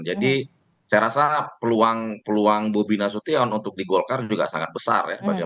jadi saya rasa peluang bu bina sution untuk di golkar juga sangat besar ya